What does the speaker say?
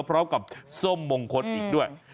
พร้อมกับส้มมงคลอีกด้วย